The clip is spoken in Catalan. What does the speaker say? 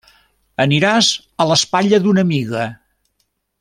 Aniràs a l'espatlla d'una amiga.